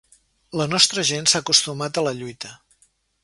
La nostra gent s’ha acostumat a la lluita.